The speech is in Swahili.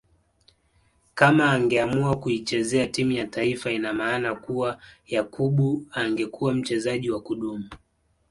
Kama angeamua kuichezea timu ya taifa ina maana kuwa Yakub angekuwa mchezaji wa kudumu